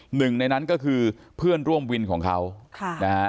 หนึ่งในนั้นก็คือเพื่อนร่วมวินของเขาค่ะนะฮะ